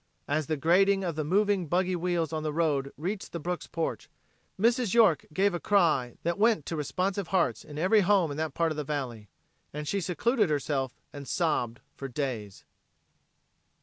As the grating of the moving buggy wheels on the road reached the Brooks porch, Mrs. York gave a cry that went to responsive hearts in every home in that part of the valley. And she secluded herself, and sobbed for days.